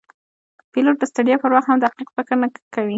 پیلوټ د ستړیا پر وخت هم دقیق فکر کوي.